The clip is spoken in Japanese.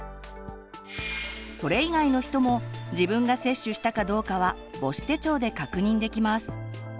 それ以外の人も自分が接種したかどうかは母子手帳で確認できます。